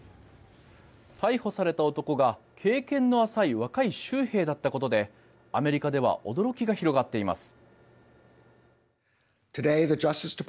逮捕された男が経験の浅い若い州兵だったことでアメリカでは驚きが広がっています。